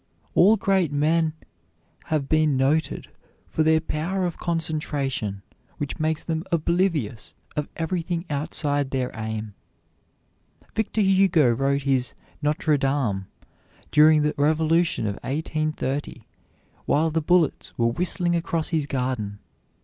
All great men have been noted for their power of concentration which makes them oblivious of everything outside their aim. Victor Hugo wrote his "Notre Dame" during the revolution of 1830, while the bullets were whistling across his garden.